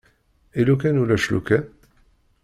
I lukan ulac lukan?